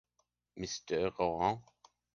Mister Louarn